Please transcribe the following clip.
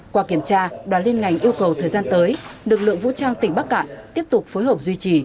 qua kiểm tra đoàn liên ngành yêu cầu thời gian tới lực lượng vũ trang tỉnh bắc cạn tiếp tục phối hợp duy trì